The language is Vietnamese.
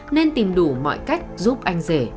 nên tìm đủ mọi cách giúp anh rể